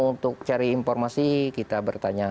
untuk cari informasi kita bertanya